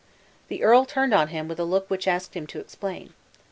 The earl turned on him a look which asked him to explain.